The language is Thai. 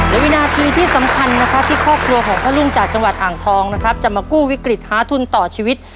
และวินาทีที่สำคัญนะครับที่ครอบครัวของพ่อลุงจากจังหวัดอ่างทองนะครับจะมากู้วิกฤตหาทุนต่อชีวิต